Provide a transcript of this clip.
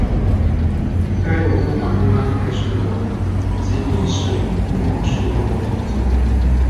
该文物保护单位由吉林市公用事业管理局管理。